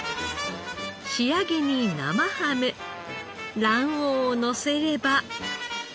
仕上げに生ハム卵黄をのせれば。